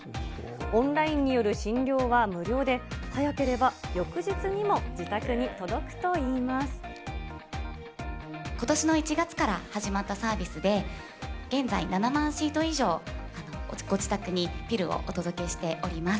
オンラインによる診療は無料で、早ければ翌日にも自宅に届くといことしの１月から始まったサービスで、現在７万シート以上、ご自宅にピルをお届けしております。